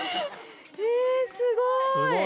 えっすごい！